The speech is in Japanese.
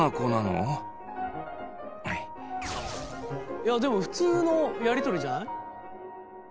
いやでも普通のやり取りじゃない？